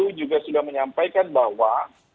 ibu putri juga sudah menyampaikan bahwa